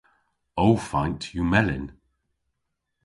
Ow faynt yw melyn.